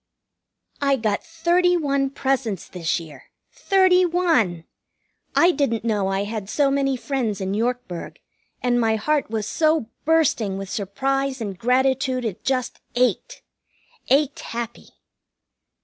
I got thirty one presents this year. Thirty one! I didn't know I had so many friends in Yorkburg, and my heart was so bursting with surprise and gratitude it just ached. Ached happy.